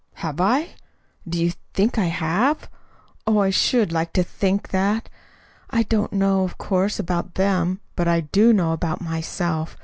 "Have I? Do you think I have? Oh, I should like to think that. I don't know, of course, about them. But I do know about myself.